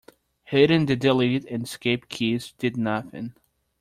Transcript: Hitting the delete and escape keys did nothing.